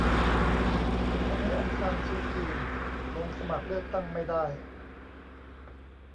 ทำให้อองซานซูจี ลงสมัครเลือกตั้งไม่ได้